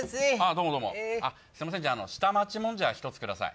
どうもどうもあっすいませんじゃあ下町もんじゃひとつください